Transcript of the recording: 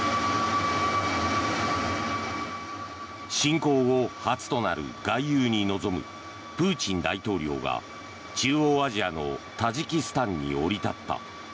侵攻後初となる外遊に臨むプーチン大統領が中央アジアのタジキスタンに降り立った。